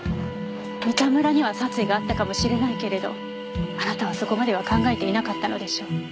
三田村には殺意があったかもしれないけれどあなたはそこまでは考えていなかったのでしょう。